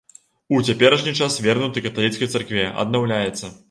У цяперашні час вернуты каталіцкай царкве, аднаўляецца.